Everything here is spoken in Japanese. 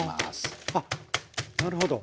あっなるほど。